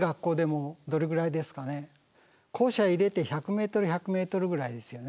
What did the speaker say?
校舎入れて１００ｍ１００ｍぐらいですよね。